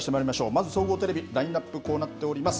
まず総合テレビ、ラインナップ、こうなっております。